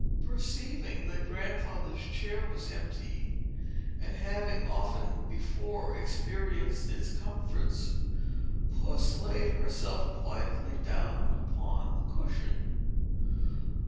Perceiving that Grandfather's chair was empty, and having often before experienced its comforts, puss laid herself quietly down upon the cushion.